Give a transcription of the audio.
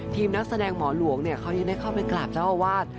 นักแสดงหมอหลวงเขายังได้เข้าไปกราบเจ้าอาวาส